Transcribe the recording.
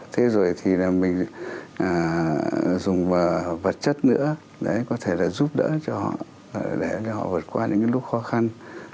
thế rồi thì là mình dùng vật chất nữa để có thể là giúp đỡ cho họ để họ vượt qua những lúc khó khăn